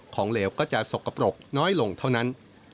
เหลวก็จะสกปรกน้อยลงเท่านั้น